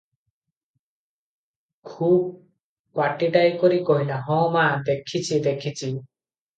ଖୁବ୍ ପାଟିଟାଏ କରି କହିଲା,"ହଁ ମା, ଦେଖିଛି, ଦେଖିଛି ।"